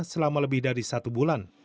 selama lebih dari satu bulan